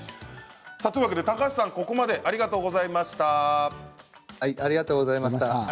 高橋さん、ここまでありがとうございました。